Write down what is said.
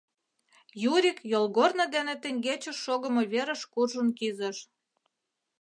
Юрик йолгорно дене теҥгече шогымо верыш куржын кӱзыш.